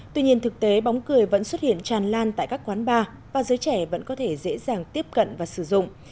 tuy nhiên thực tế bóng cười vẫn xuất hiện tràn lan tại các quán bar và giới trẻ vẫn có thể dễ dàng tiếp cận và sử dụng